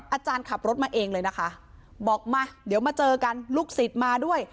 อาจารย์ขับรถมาเองเลยนะคะบอกมาเดี๋ยวมาเจอกันลูกศิษย์มาด้วย